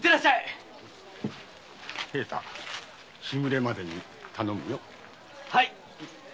平太日暮れまでに頼むよ。